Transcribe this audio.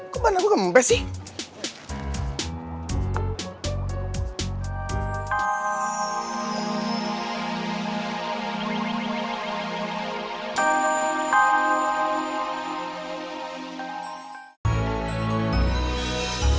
kok ban aku kempes sih